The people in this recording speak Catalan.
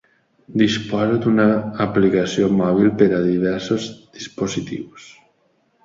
Disposa d'una aplicació mòbil per a diversos dispositius.